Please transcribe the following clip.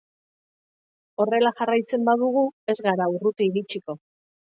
Horrela jarraitzen badugu ez gara urruti iritsiko.